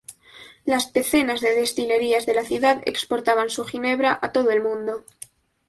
Las decenas de destilerías de la ciudad exportaban su ginebra a todo el Mundo.